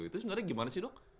itu sebenarnya gimana sih dok